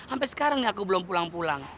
sampai sekarang nih aku belum pulang pulang